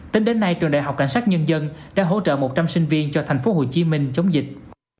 tính đến nay trường đại học cảnh sát nhân dân đã hỗ trợ một trăm linh sinh viên cho thành phố hồ chí minh chống dịch